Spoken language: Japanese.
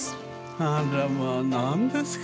あらまあ何ですか。